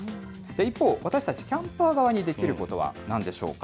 一方、私たちキャンパー側にできることはなんでしょうか。